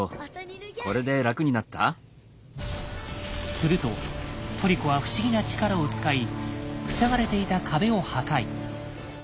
するとトリコは不思議な力を使い塞がれていた壁を破壊。